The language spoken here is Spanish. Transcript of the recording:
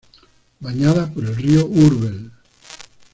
Bañada por el río Úrbel.